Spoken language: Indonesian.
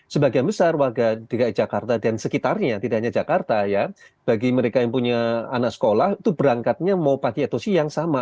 sebagian besar warga dki jakarta dan sekitarnya tidak hanya jakarta ya bagi mereka yang punya anak sekolah itu berangkatnya mau pagi atau siang sama